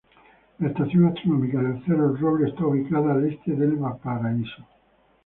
La estación astronómica del cerro El Roble, está ubicada al este de Valparaíso.